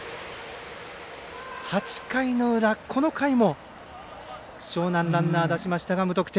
８回の裏、この回も樟南、ランナー出しましたが無得点。